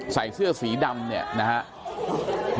ใส่เสื้อสีดำเนี่ยนะครับ